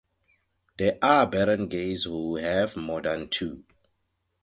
There are barangays who have more than two.